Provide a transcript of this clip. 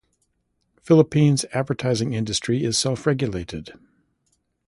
Philippines advertising industry is self-regulated.